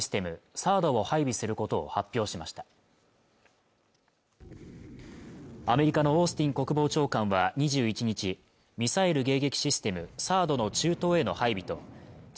ＴＨＡＡＤを配備することを発表しましたアメリカのオースティン国防長官は２１日ミサイル迎撃システム・ＴＨＡＡＤの中東への配備と地